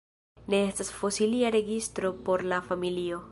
Ne estas fosilia registro por la familio.